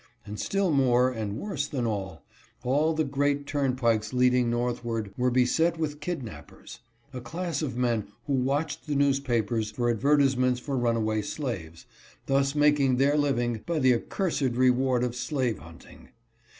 And still more, and worse than all, all the great turn pikes leading northward were beset with kidnappers ; a class of men who watched the newspapers for advertise ments for runaway slaves, thus making their living by the accursed reward of slave hunting.